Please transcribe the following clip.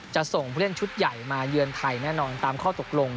จะส่งผู้เล่นชุดใหญ่มาเยือนไทยแน่นอนตามข้อตกลง